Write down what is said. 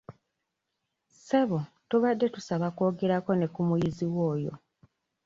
Ssebo tubadde tusaba kwogerako ne ku muyiziwo oyo.